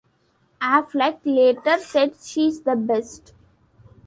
Affleck later said: She's the best.